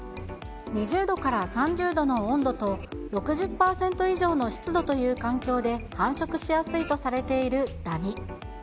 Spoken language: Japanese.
２０度から３０度の温度と、６０％以上の湿度という環境で繁殖しやすいとされているダニ。